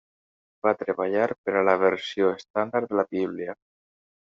Va treballar per a la versió estàndard de la Bíblia.